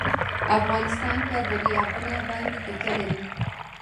افغانستان په دریابونه باندې تکیه لري.